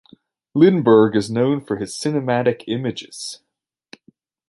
Lindbergh is known for his cinematic images.